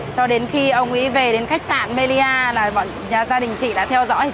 cho đến khi ông ấy về đến khách sạn melia là mọi nhà gia đình chị đã theo dõi trên tv